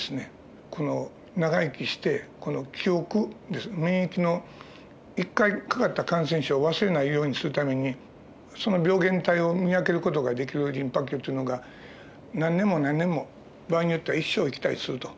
長生きして記憶免疫の一回かかった感染症を忘れないようにするためにその病原体を見分ける事ができるリンパ球というのが何年も何年も場合によっては一生生きたりすると。